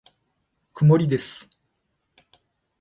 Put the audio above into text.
曇りです。